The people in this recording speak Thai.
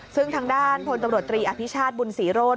ซึ่งทางด้านพลตำรวจตรีอภิชาติบุญศรีโรธ